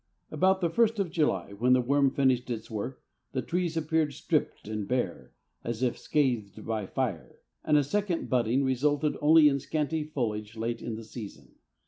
About the first of July, when the worm finished its work, the trees appeared stripped and bare, as if scathed by fire, and a second budding resulted only in scanty foliage late in the season.